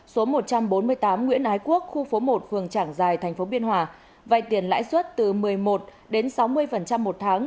số một trăm bốn mươi tám nguyễn ái quốc khu phố một phường trảng giài tp biên hòa vay tiền lãi suất từ một mươi một đến sáu mươi một tháng